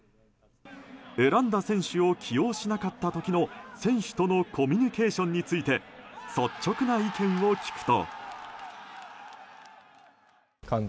選んだ選手を起用しなかった時の選手とのコミュニケーションについて率直な意見を聞くと。